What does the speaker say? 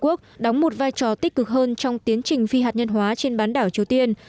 quốc đóng một vai trò tích cực hơn trong tiến trình phi hạt nhân hóa trên bán đảo triều tiên